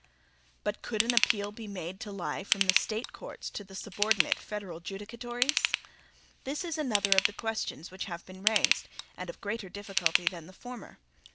But could an appeal be made to lie from the State courts to the subordinate federal judicatories? This is another of the questions which have been raised, and of greater difficulty than the former.